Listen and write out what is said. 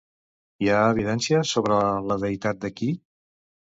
Hi ha evidències sobre la deïtat de Ki?